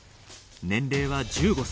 年齢は１５歳。